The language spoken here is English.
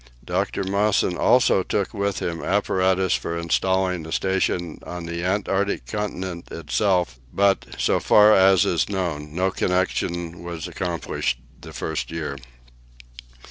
Dr. Mawson also took with him apparatus for installing a station on the Antarctic Continent itself, but, so far as is known, no connection was accomplished the first year.